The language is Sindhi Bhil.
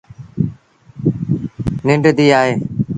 ننڊ ڌيٚ آئي۔ ا